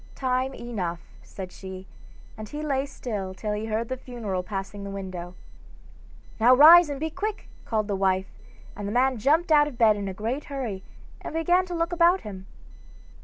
'Time enough,' said she, and he lay still till he heard the funeral passing the window. 'Now rise, and be quick,' called the wife, and the man jumped out of bed in a great hurry, and began to look about him.